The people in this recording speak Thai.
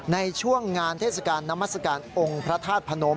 ในช่วงงานเทศกาลนามัศกาลองค์พระธาตุพนม